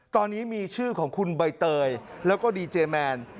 ตอนนี้มีชื่อของคุณใบเตยแล้วก็ดีเจแมน